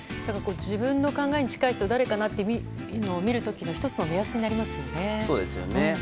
自分の考えに近い人は誰かなって見る時の１つの目安になりますよね。